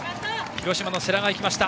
広島の世羅が行きました。